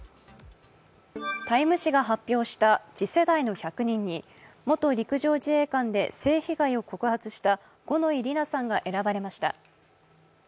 「タイム」誌が発表した次世代の１００人に、元陸上自衛官で性被害を告発した五ノ井里奈さんが選ばれました。